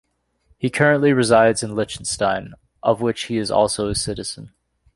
He currently resides in Liechtenstein, of which he is also a citizen.